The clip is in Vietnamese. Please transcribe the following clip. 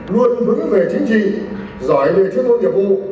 luôn vững về chính trị giỏi về chức vô nhiệm vụ